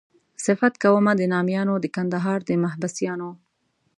صفت کومه د نامیانو د کندهار د محبسیانو.